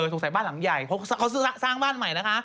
สงสัยบ้านหลังใหญ่เพราะเขาสร้างบ้านใหม่นะคะ